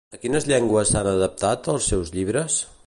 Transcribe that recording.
A quines llengües s'han adaptat els seus llibres?